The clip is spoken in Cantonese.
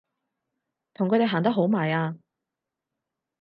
同佢哋行得好埋啊！